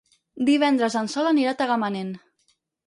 Divendres en Sol anirà a Tagamanent.